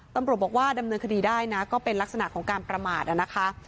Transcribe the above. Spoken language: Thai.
ตำรวจบอกว่าดำเนินคดีได้นะก็เป็นลักษณะของการประมาทนะคะ